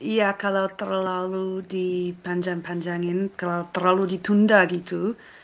ya kalau terlalu dipanjang panjangin kalau terlalu ditunda gitu